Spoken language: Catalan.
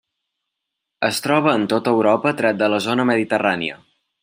Es troba en tota Europa, tret de la zona mediterrània.